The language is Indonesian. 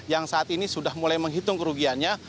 yang menghitung kerugiannya